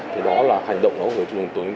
thì đó là hành động của người dùng